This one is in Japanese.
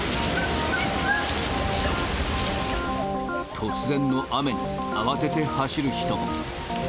突然の雨に、慌てて走る人も。